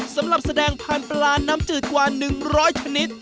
สำหรับแสดงพันธุ์ปลาน้ำจืดกว่า๑๐๐ชนิด